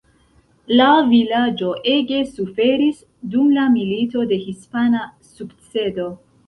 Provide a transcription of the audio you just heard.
La vilaĝo ege suferis dum la Milito de hispana sukcedo.